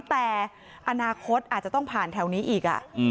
แต่อนาคตอาจจะต้องผ่านแถวนี้อีก